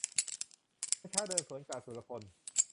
เมื่อเช้าเดินสวนกะ สุรพล